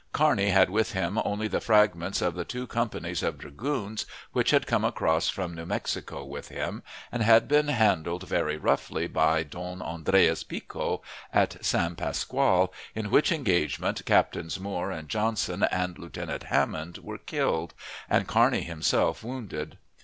Kearney had with him only the fragments of the two companies of dragoons, which had come across from New Mexico with him, and had been handled very roughly by Don Andreas Pico, at San Pascual, in which engagement Captains Moore and Johnson, and Lieutenant Hammond, were killed, and Kearney himself wounded.